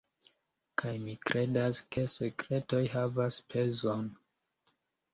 Kaj mi kredas ke sekretoj havas pezon.